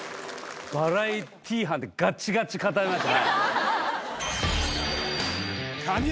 バラエティー班でガチガチ固めました